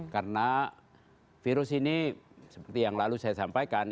karena virus ini seperti yang lalu saya sampaikan